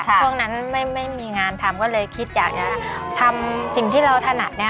ช่วงนั้นไม่มีงานทำก็เลยคิดอยากจะทำสิ่งที่เราถนัดเนี่ย